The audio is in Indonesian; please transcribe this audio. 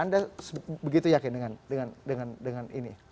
anda begitu yakin dengan ini